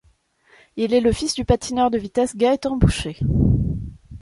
Il est le fils du patineur de vitesse Gaétan Boucher.